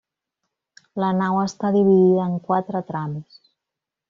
La nau està dividida en quatre trams.